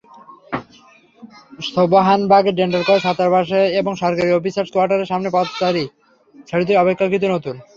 সোবহানবাগে dental college ছাত্রাবাস এবং সরকারি অফিসার্স কোয়ার্টারের সামনের পদচারী-সেতুটি অপেক্ষাকৃত নতুন।